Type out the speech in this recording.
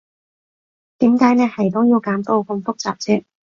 點解你係都要搞到咁複雜啫？